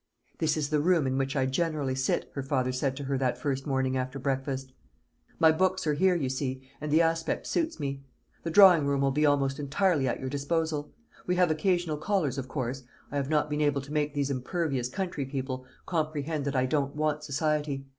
"This is the room in which I generally sit," her father said to her that first morning after breakfast; "my books are here, you see, and the aspect suits me. The drawing room will be almost entirely at your disposal. We have occasional callers, of course; I have not been able to make these impervious country people comprehend that I don't want society.